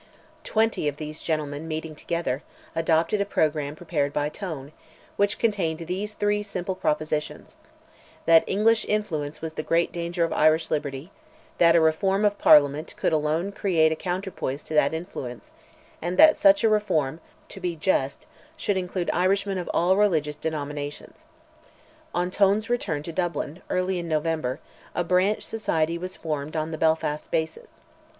Twenty of these gentlemen meeting together, adopted a programme prepared by Tone, which contained these three simple propositions: that "English influence" was the great danger of Irish liberty; that a reform of Parliament could alone create a counterpoise to that influence; and that such a reform to be just should include Irishmen of all religious denominations. On Tone's return to Dublin, early in November, a branch society was formed on the Belfast basis.